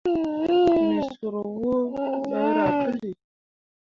Me sur wǝǝ ɓerah puli.